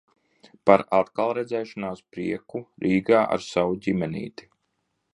Par atkalredzēšanās prieku Rīgā ar savu ģimenīti.